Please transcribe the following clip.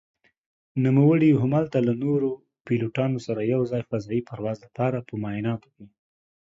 نوموړي هملته له نورو پيلوټانو سره يو ځاى فضايي پرواز لپاره په معايناتو کې